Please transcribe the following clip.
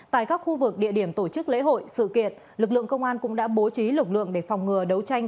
tại các khu vực địa điểm tổ chức lễ hội sự kiện lực lượng công an cũng đã bố trí lực lượng để phòng ngừa đấu tranh